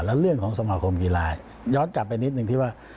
และเรื่องของสมาคมกีฬาย้อนกลับไปนิดนึงที่ว่า